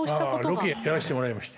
ロケやらせてもらいまして。